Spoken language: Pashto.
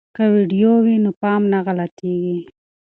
که ویډیو وي نو پام نه غلطیږي.